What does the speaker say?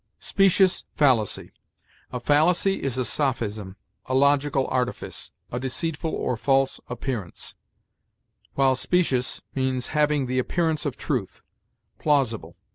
SPECIOUS FALLACY. A fallacy is a sophism, a logical artifice, a deceitful or false appearance; while specious means having the appearance of truth, plausible.